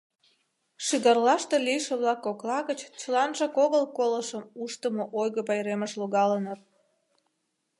Шӱгарлаште лийше-влак кокла гыч чыланжак огыл колышым уштымо ойго пайремыш логалыныт.